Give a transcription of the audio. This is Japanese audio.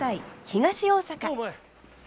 東大阪。